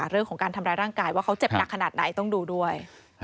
เรื่องของการทำร้ายร่างกายว่าเขาเจ็บหนักขนาดไหนต้องดูด้วย